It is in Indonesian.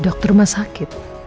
dokter rumah sakit